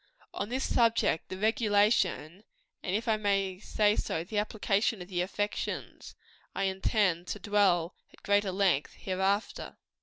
_ On this subject the regulation, and if I may so say, the application of the affections I intend to dwell at greater length hereafter.